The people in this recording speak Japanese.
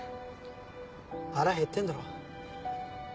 腹へってんだろ。